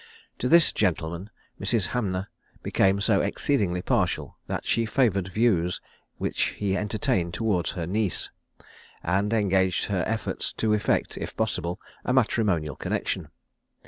To this gentleman Mrs. Hanmer became so exceedingly partial, that she favoured views which he entertained towards her niece, and engaged her efforts to effect, if possible, a matrimonial connexion.